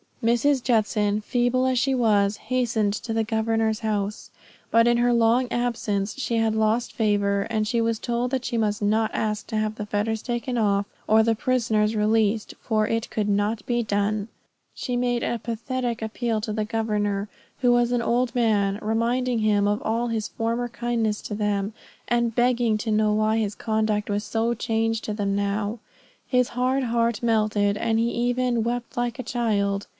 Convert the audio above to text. Mrs. Judson, feeble as she was, hastened to the governor's house. But in her long absence she had lost favor; and she was told that she must not ask to have the fetters taken off, or the prisoners released, for it could not be done. She made a pathetic appeal to the governor, who was an old man, reminding him of all his former kindness to them, and begging to know why his conduct was so changed to them now. His hard heart melted and he even "wept like a child."